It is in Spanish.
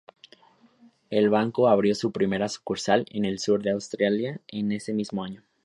El banco abrió su primera sucursal en el sur de Australia ese mismo año.